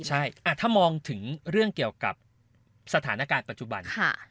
ใช่ถ้ามองถึงเรื่องเกี่ยวกับสถานการณ์ปัจจุบัน